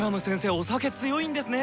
お酒強いんですね。